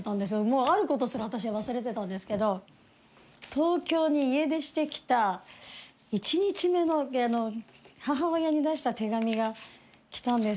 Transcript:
もうあることすら私は忘れてたんですけど東京に家出してきた１日目の母親に出した手紙が来たんですよ